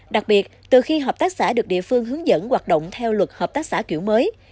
đặc biệt từ khi hợp tác xã được địa phương hướng dẫn hoạt động theo luật hợp tác xã kiểu mới